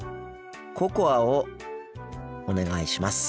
ココアをお願いします。